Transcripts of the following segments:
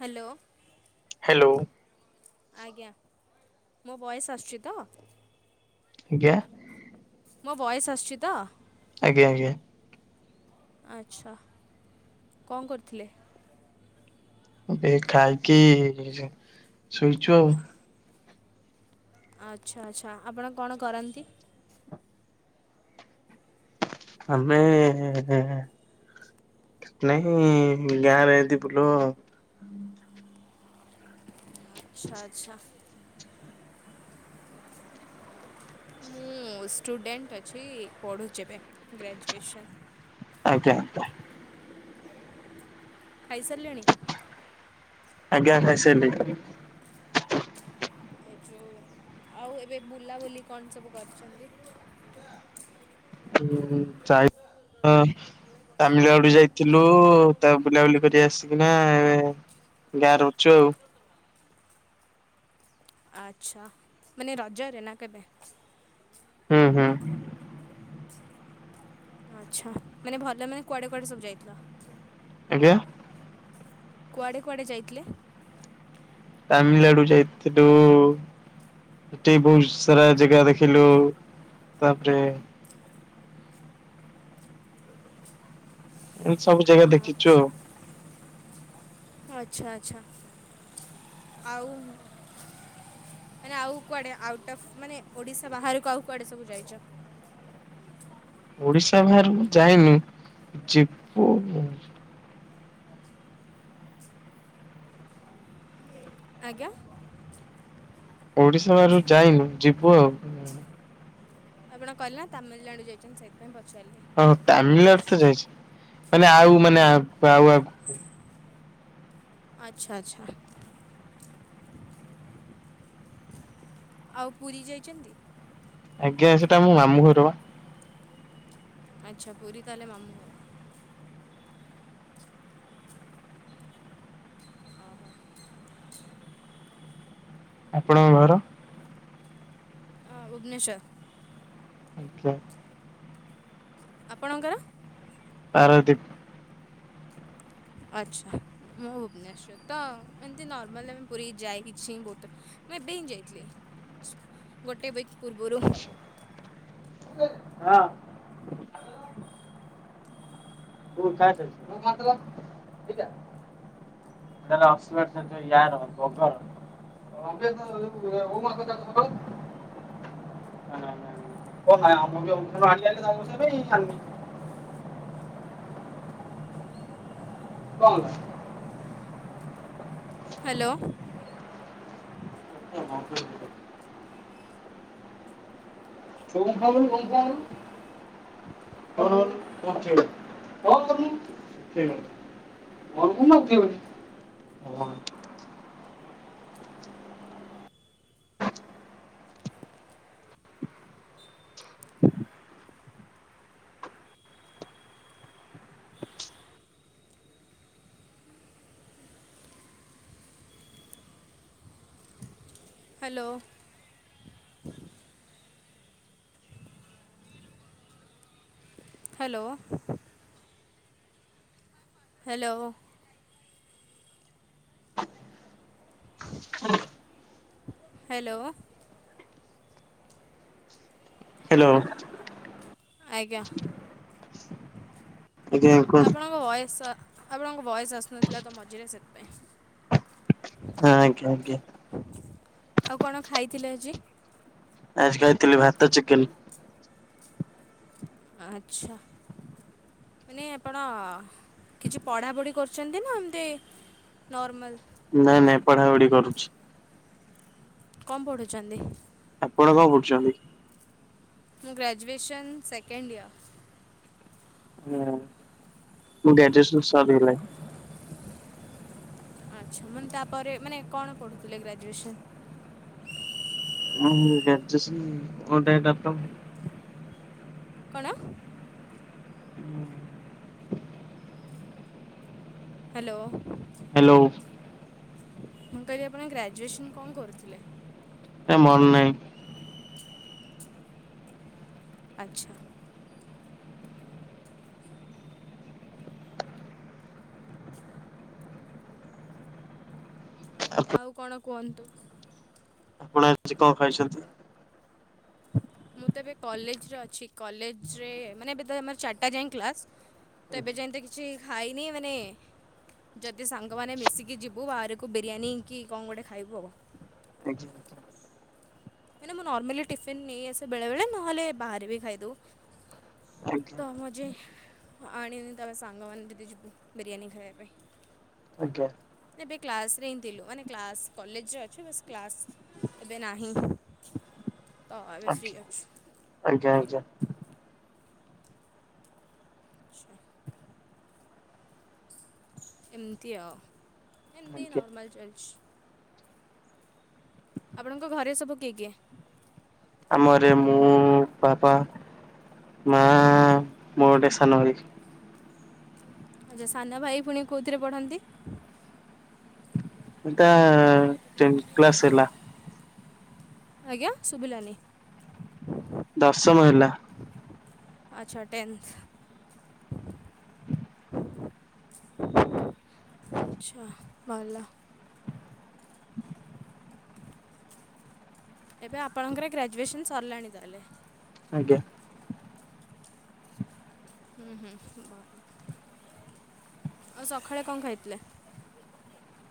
Hello. Hello. ଆଜ୍ଞା ମୋ ବୟସ ଆସୁଛି ତ? ଞା ମୋ ବଏସ ଆସିଛି ତ? ଆଜ୍ଞା ଆଜ୍ଞା। ଆଚ୍ଛା କଣ କରିଥିଲେ? ଏ ଖାଇକି [unintelligible] ଶୋଇଛୁ ଆଉ। ଆଚ୍ଛା ଆଚ୍ଛା ଆପଣ କଣ କରନ୍ତି? ଆମେ ନାଇଁ ଗାଁରେ ଏମିତି ବୁଲୁ। ଆଚ୍ଛା ଆଚ୍ଛା। ମୁଁ ଷ୍ଟୁଡେଣ୍ଟ ଅଛି ପଢୁଛି ଏବେ ଗ୍ରାଜୁଏସନ୍। [unintelligible] ଖାଇ ସାରିଲେଣି? ଆଜ୍ଞା ଖାଇସାଲିଣି। ଏ ଯୋଉ ଆଉ ଏବେ ବୁଲାବୁଲି କଣ ସବୁ କରିଛନ୍ତି? ହ ଚାଇ ର ତାମିଲନାଡୁ ଯାଇଥିଲୁ ତା ବୁଲାବୁଲି କରି ଆସିକିନା ଏ ଗାରେ ଅଛୁ ଆଉ ଆଚ୍ଛା ମାନେ ରଜରେ ନା କେବେ? ହୁଁ ହୁଁ। ଆଛା ମାନେ ଭଲ ମାନେ କୁଆଡେ କୁଆଡେ ସବୁ ଯାଇଥିଲ। [unintelligible] କୁଆଡ଼େ କୁଆଡ଼େ ଯାଇଥିଲେ? ତାମିଲନାଡୁ ଯାଇଥିଲୁ। ଏଠି ବହୁତ ସାରା ଜାଗା ଦେଖିଲୁ ତାପରେ ଏମତି ସବୁ ଜାଗା ଦେଖିଛୁ ଆଚ୍ଛା ଆଉ। ଆଚ୍ଛା ଆଚ୍ଛା ଆଉ ମାନେ ଆଉ କୁଆଡେ ଆଉଟ୍ ଅଫ୍ ମାନେ ଓଡିଶା ବାହାରକୁ ଆଉ କୁଆଡେ ସବୁ ଯାଇଛନ୍ତି? ହଲ ଭାଇ ଓଡିଶା ବାହାରକୁ ଯାଇନୁ ଯିବୁ। ଆଜ୍ଞା। ଓଡିଶା ବାରୁ ଯାଇନୁ ଯିବୁ ଆଉ। ଆପଣ କହିଲେ ତାମିଲନାଡୁ ଯାଇଛନ୍ତି। ସେଇଥିପାଇଁ ପ ଓ ତାମିଲନାଡୁ ତ ଯାଇଛି। ମାନେ ଆଉ ମାନେ ଆଉ ଆଗ ଆଚ୍ଛା ଆଚ୍ଛା। ଆଉ ପୁରୀ ଯାଇଛନ୍ତି? ଆଜ୍ଞା ସେଟା ମୁଁ ମାମୁଁ ଘର ପା। ଆଚ୍ଛା ପୁରୀ ତାହେଲେ ମାମୁଁ ଘର। ଆପଣଙ୍କ ଘର। ଅ ଭୁବନେଶ୍ୱର। ଆଚ୍ଛା। ଆପଣଙ୍କର। ଆରତି। ଆଚ୍ଛା ମୁଁ ଭୁବନେଶ୍ଵର ତ ଏମତି ନର୍ମାଲ ପୁରୀ ଯାଇଛି। ବହୁତ ମୁଁ ଏବେହିଁ ଯାଇଥିଲି। ଗୋଟେ ଉଇକ୍ ପୂର୍ବରୁ। ହଁ। ତୁ କାଟେ। ଅକ୍ସଫର୍ଡ ସେଟା ୟାର ବଗର। [unintelligible] ଓ ହୋ। [inaudible] କଣ? ହ୍ୟାଲୋ। [unintelligible] [unintelligible] [unintelligible] [unintelligible] ହ୍ୟାଲୋ। ହ୍ୟାଲୋ। ହ୍ୟାଲୋ। ହଁ। ହ୍ୟାଲୋ। ହ୍ୟାଲୋ। ଆଜ୍ଞା ଆଜ୍ଞା କୁହନ୍ତୁ ଆପଣଙ୍କ ଭୟସ୍ ଆପଣଙ୍କ ଭଏସ୍ ଆସୁନଥିଲା ତ ମଝିରେ ସେଥିପାଇଁ। ହଁ ଆଜ୍ଞା ଆଜ୍ଞା। ଆଉ କଣ ଖାଇଥିଲେ ଆଜି? ଆଜି ଖାଇଥିଲି ଭାତ ଚିକେନ୍। ଆଚ୍ଛା। ମାନେ ଆପଣ କିଛି ପଢାପଢି କରୁଛନ୍ତି ନା ଏମିତି ନର୍ମାଲ। ନାଇଁ ନାଇଁ ପଢାପଢି କରୁଛି। କଣ ପଢୁଛନ୍ତି? ଆପଣ କଣ କରୁଛନ୍ତି? ମୁଁ ଗ୍ରାଜୁଏସନ୍ ସେକେଣ୍ଡ୍ ଇୟର। ହୁଁ ମୁଁ ଗ୍ରେଜୁଏସନ୍ ସରି ଗଲାଣି। ଆଚ୍ଛା ମାନେ ତାପରେ ମାନେ କଣ ପଢୁଥିଲେ ଗ୍ରାଜୁଏସନ୍? ହଁ ଗ୍ରାଜୁଏସନ୍ [unintelligible] କଣ? ହ୍ୟାଲୋ ହ୍ୟାଲୋ ମୁଁ କହିଲି ଆପଣ ଗ୍ରାଜୁଏସନ କଣ କରୁଥିଲେ ଏ ମର ନାହିଁ ଆଚ୍ଛା ଆଉ କଣ କୁହନ୍ତୁ ଆପଣ କଣ ଖଛନ୍ତି ମୁଁ ତ ଏବେ କଲେଜରେ ଅଛି କଲେଜରେ ମାନେ ଏବେ ତର ଚାରିଟା ଯାଏ କ୍ଲାସ ତ ଏବେ ଯେମତି କିଛି ଖାଇନି ମାନେ ଯଦି ସାଙ୍ଗମାନେ ମିଶିକି ଯିବୁ ବାହାରକୁ ବିରିୟାନୀ କି କ'ଣ ଗୋଟେ ଖାଇବୁ ଆଉ ଆଜ୍ୟୁ ମ ମୁଁ ନର୍ମାଲି ଟିଫିନ ନେଇ ଆସେ ବେଳେ ବେଳେ ନହେଲେ ବାହାରେ ବି ଖାଇଦବ ଆଜ୍ଞା ତ ମଜେ ଆ ତମେ ସାଙ୍ଗ ମାନ ବିରିୟାନ ଖାଇବା ପାଇଁ ଆଜ୍ଞା ଏବେ କ୍ଲାସ ରେ ହିଁ ଥିଲୁ ମାନେ କ୍ଲାସ୍ କଲେଜରେ ଅଛ ବସ୍ କ୍ଲାସ ଏବେ ନାହିଁ ତ ଆବେ ଫ୍ରି ଆଜ୍ଞା ଅଛି ଆଜ୍ଞା ଆଜ୍ଞା ଆଚ୍ଛା ଏମତିଆ ଏମିତି ଆଜ୍ଞା। ନର୍ମଲ ଚର୍ଚ ଆପଣଙ୍କ ଘରେ ସବୁ କିଏ କିଏ ଆମର ମୁଁ ବାପା ମରଦେଶା ନର ଆ୍ଛା ସାନ ଭାଇ ପୁଣି କୋଉଥିରେ ପଢନ୍ତି ଏ ଟ କ୍ଲାସ ହେଲା ଆଜ୍ଞା ଶୁଭିଲଣିି ଦଶମଲା ଆଚ୍ଛା ଟେନ୍ଥ ଆଚଛା ମା ଏବେ ଆପଣଙ୍କର ଗ୍ରାଜୁଏସନ ସରିଲାଣି ତାହେଲେ ଆଜ୍ଞା ହୁଁ ହୁଁ ବା ଆଉ ସକାଳେ କଣ ଖାଇଥିଲେ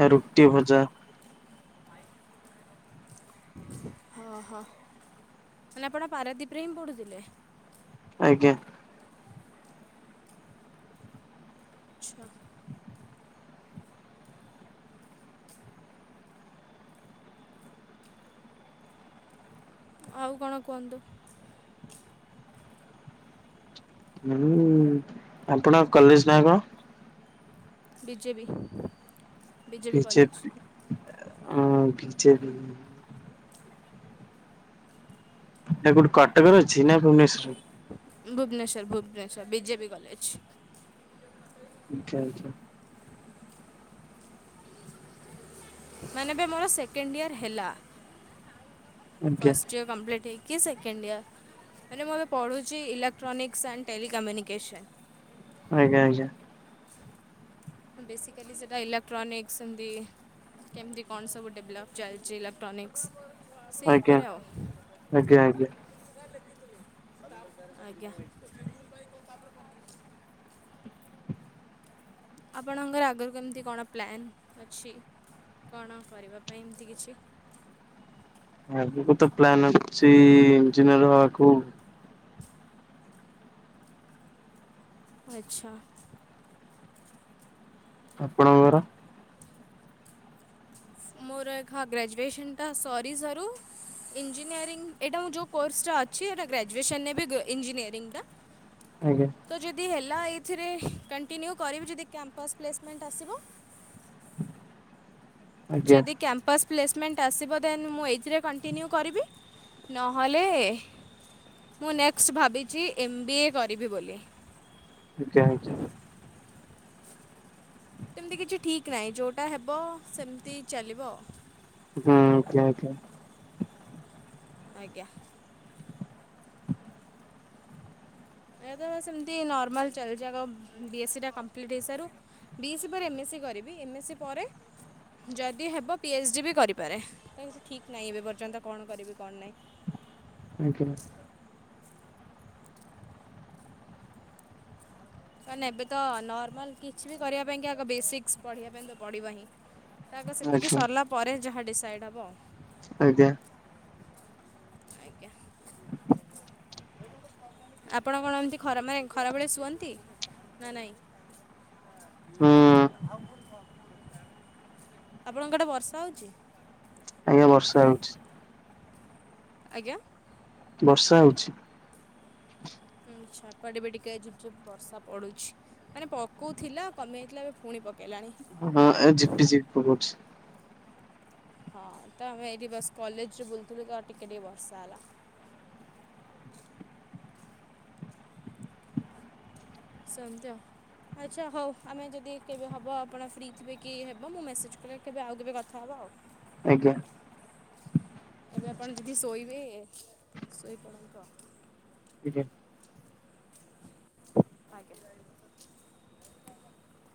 ଆ ରୁଟି ଭଜା ହଁ ହଁ ମାନେ ଆପଣ ପାରାଦ୍ୱୀପରେ ହିଁ ପଢ଼ୁଥିଲେ ଆଜ୍ଞା ଛୁଅ ଆଉ କଣ କୁହନ୍ତୁ ଆପଣ କଲଲଶ ନାୟକ ବିଜେପି ବିଜେପି କଲେଜ ହଁ ପଛ ନା କୋଉଟେ କଟକର ଅଛି ନା ଭୁବନେଶ୍ରରେ ଭୁବନେଶ୍ଵର ଭୁବନେଶ୍୍ୱର ବିଜେପି କଲେଜ ଆଚଛା ଆଚ୍ଛା ମାନେବେ ମୋର ସେକେଣ୍ଡ ଇୟର ହେଲା ଆଜ୍ଞା ଫଷ୍ଟ ଇର କମ୍ପ୍ଟ ହେକି କି ସେକେଣ୍ଡ ଇୟର ଆ ମୁଁ ହବେ ପଢ଼ୁଛି ଇଲେକ୍ଟ୍ରୋନିକ୍ସ ଏଣ୍ଡ ଟେଲିିକମ୍ୟୁନିକସନ୍ ଆଜ୍ଞା ଆଜ୍ଞା ବେସିିକଲି ସେଇଟା ଏଇଲେକ୍ଟ୍ରନକ୍ସଛନ୍ତି କେମିତି କଣ ସବୁ ଡେଭଲପ୍ ଚାଲିଛି ଇଲେକ୍ଟ୍ରୋନିକ୍ସ ସେଇ ଉପରେ ଆଉ ଆଜ୍ଞା-ଆଜ୍ଞା-ଆଜ୍ଞା। ଆଜ୍ଞା। ଆପଣଙ୍କର ଆଗରୁ କେମିତି କଣ ପ୍ଲାନ୍ ଅଛି? କଣ କରିବା ପାଇଁ ଏମିତି କିଛି? ଆଗକୁ ତ ପ୍ଲାନ୍ ଅଛି ଇଞ୍ଜିନିୟର ହବାକୁ। ଆଚ୍ଛା। ଆପଣଙ୍କର ମୋର [unintelligible] ଗ୍ରାଜୁଏସନଟା ସରି ସାରୁ ଇଞ୍ଜିନିୟରିଙ୍ଗ୍ ଏଇଟା ମୁଁ ଯେଉଁ କୋର୍ସଟା ଅଛି ଏଇଟା ଗ୍ରାଜୁଏସନରେ ବି ଇଞ୍ଜିନିୟରିଙ୍ଗଟା ଆଜ୍ଞା। ତ ଯଦି ହେଲା ଏଇଥିରେ କଣ୍ଟିନ୍ୟୁ କରିବି ଯଦି କ୍ୟାମ୍ପସ୍ ପ୍ଲେସମେଣ୍ଟ ଆସିବ। ଆଜ୍ଞା ଯଦି କ୍ୟାମ୍ପସ ପ୍ଲେସମେଣ୍ଟ ଆସିବ ଦେନ୍ ମୁଁ ଏଇଥିରେ କଣ୍ଟିନ୍ୟୁ କରିବି ନହେଲେ ମୁଁ ନେକ୍ସଟ ଭାବିଛି ଏମ୍ ବି ଏ କରିବି ବୋଲି। ଆଜ୍ଞା [unintelligible] ସେମିତି କିଛି ଠିକ୍ ନାହିଁ ଯୋଉଟା ହେବ ସେମିତି ଚାଲିବ। କିଏ ଆସିଥିଲା? ଆଜ୍ଞା। ଏବେ ତ ସେମିତି ନର୍ମାଲ ଚାଲିଛି ଆଗ ବି ଏସ୍ ସି ଟା କମ୍ପ୍ଲିଟ୍ ହେଇସାରୁ ବି ଏସ୍ ସି ପରେ ଏମ ଏସ୍ ସି କରିବି ଏମ‌ ଏସ୍ ସି ପରେ ଯଦି ହେବ ପି ଏଚ୍ ଡି ବି କରିପାରେ, ‌ସେମିତି ଠିକ୍ ନାହିଁ ଏବେ ପର୍ଯ୍ୟନ୍ତ କଣ କରିବି କଣ ନାଇଁ। ଆଜ୍ଞା ମାନେ ଏବେ ତ ନର୍ମାଲ କିଛି ବି କରିବା ପାଇଁ କି ଆଗ ବେସିକ୍ସ ପଢ଼ିବା ପାଇଁ ତ ପଡ଼ିବ ହିଁ। ଆଗ ସେତିକି ଆଜ୍ଞା ସରିଲା ପରେ ଯାହା ଡିସାଇଡ୍ ହବ। ଆଜ୍ଞା। ଆଜ୍ଞା। ଆପଣ କଣ ଏମିତି ଖରା ମାନେ ଖରାବେଳେ ଶୁଅନ୍ତି ନା ନାଇଁ? ଆଉ ଭୁଲ୍ କଣ? ଆପଣଙ୍କ ଆଡେ ବର୍ଷା ହଉଛି? ଆଜ୍ଞା ବର୍ଷା ହେଉଛି। ଆଜ୍ଞା? ବର୍ଷା ହଉଛି। ଉଁ ଛାପାଟେ ବି ଟିକେ ଟିକେ ଝିପଝିପ୍ ବର୍ଷା ପଡୁଛି ମାନେ ପକଉଥିଲା କମିଯାଇଥିଲା ଏବେ ପୁଣି ପକେଇଲାଣି। ହଁ ଏବେ ଝିପିଝିପି ପକଉଛି। ହଁ ତ ଆମେ ଏଇଠି ବାସ୍ କଲେଜରେ ବୁଲୁଥିଲୁ ତ ଟିକେ ଟିକେ ବର୍ଷା ହେଲା। ସେମିତି ଆଉ। ଆଚ୍ଛା ହଉ ଆମେ ଯଦି କେବେ ହବ ଆପଣ ଫ୍ରି ଥିବେ କି ହେବ ମୁଁ ମେସେଜ କଲେ କେବେ ଆଉ କେବେ କଥା ହବା ଆଉ। ଆଜ୍ଞା। ଏବେ ଆପଣ ଯଦି ଶୋଇବେ ଶୋଇପଡ଼ନ୍ତୁ ଆଉ। [unintelligible] ଆଜ୍ଞା।